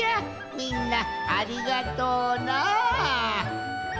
みんなありがとうな。